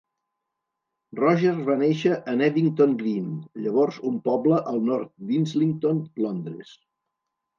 Rogers va néixer a Newington Green, llavors un poble al nord d'Islington, Londres.